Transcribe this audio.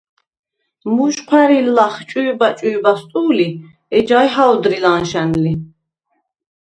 მუჟჴვა̄̈რი̄ლ ლახ “ჭვი̄ბა-ჭვი̄ბას” ტუ̄ლი, ეჯაი ჰა̄ვდრი ლა̈ნშა̈ნ ლი.